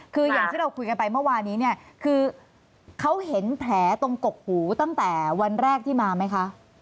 คืออย่างที่เราคุยกันไปเมื่อวานี้เนี่ยคือเขาเห็นแผลตรงกกหูตั้งแต่วันแรกที่มาไหมคะ